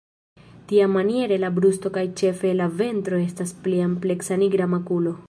Tiamaniere la brusto kaj ĉefe la ventro estas pli ampleksa nigra makulo.